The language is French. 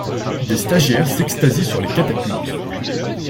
Des stagiaires s'extasient sur les catapultes.